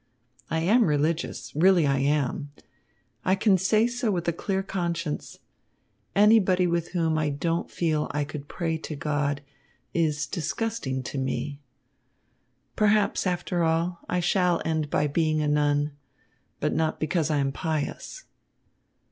I am religious. Really I am. I can say so with a clear conscience. Anybody with whom I don't feel I could pray to God, is disgusting to me. Perhaps, after all, I shall end by being a nun, but not because I am pious."